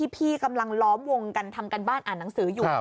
พี่กำลังล้อมวงกันทำการบ้านอ่านหนังสืออยู่